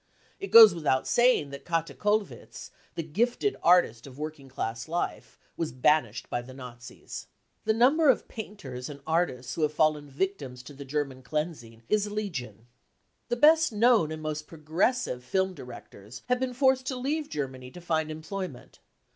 It goes without saying that Kathe Kollwitz, the gifted artist of working class life, was banished by the Nazis. The 184 BROWN BOOK OF THE HITLER TERROR number of painters and artists who have fallen victims to the " German cleansing 99 is legion. The best known and most progressive film directors have been forced to leave Germany to find employment.